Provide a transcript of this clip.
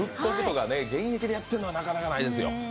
現役でやっているのはなかなかないですよ。